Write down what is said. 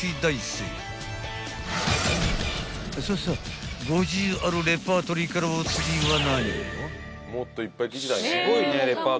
［さあさあ５０あるレパートリーからお次は］